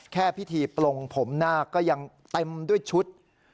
แค่พิฏีปลงผมหน้าก็เต็มด้วยชุด